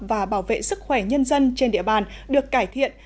và bảo vệ sức khỏe nhân dân trên địa bàn được cải thiện